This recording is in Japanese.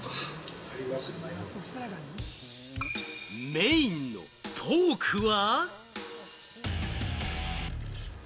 メーンのポークは？